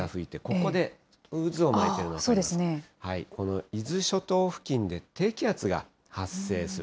この伊豆諸島付近で低気圧が発生する。